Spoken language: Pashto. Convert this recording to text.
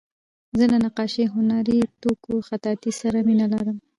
زه له نقاشۍ، هنري توکیو، خطاطۍ سره مینه لرم.